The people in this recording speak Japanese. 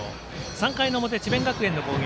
３回の表、智弁学園の攻撃。